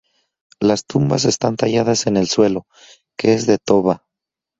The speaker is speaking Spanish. Las tumbas están talladas en el suelo, que es de toba.